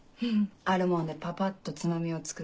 あるもんでパパッとつまみを作る。